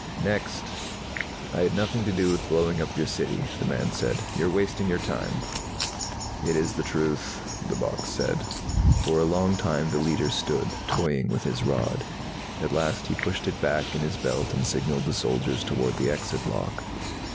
"Next!" "I had nothing to do with blowing up your city," the man said. "You're wasting your time." "It is the truth," the box said. For a long time the Leiter stood, toying with his rod. At last he pushed it back in his belt and signalled the soldiers toward the exit lock.